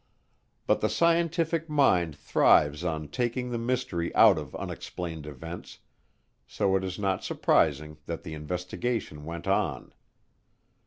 But the scientific mind thrives on taking the mystery out of unexplained events, so it is not surprising that the investigation went on.